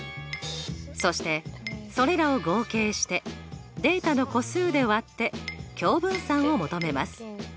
そしてそれらを合計してデータの個数で割って共分散を求めます。